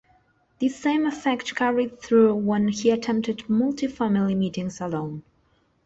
This same effect carried through when he attempted multifamily meetings alone.